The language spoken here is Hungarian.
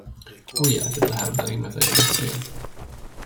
Új életet lehel belém ez a jeges szél!